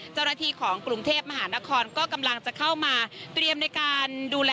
เจ้าหน้าทีของกลุ่มเทพมหานครกำลังจะเข้ามาเตรียมในการดูแลความเรียบร้อยนะครับ